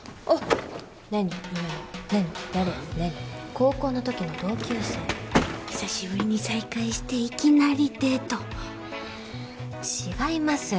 高校の時の同級生久しぶりに再会していきなりデート違います